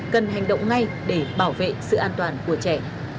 cần hành động ngay để bảo vệ sự an toàn của trẻ